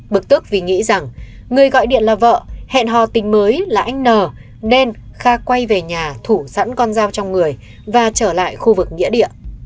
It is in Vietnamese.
bực tức vì nghĩ rằng người gọi điện là vợ hẹn hò tình mới là anh n nên kha quay về nhà thủ sẵn con dao trong người và trở lại khu vực nghĩa địa